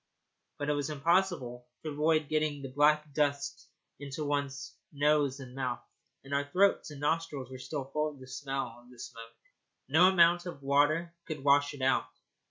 But it was impossible to avoid getting the black dust into one's nose and mouth, and our throats and nostrils were still full of the smell of the smoke. No amount of water would wash it out.